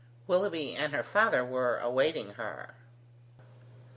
Willoughby and her father were awaiting her.